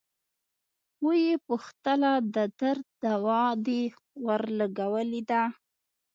ويې پوښتله د درد دوا دې ورلګولې ده.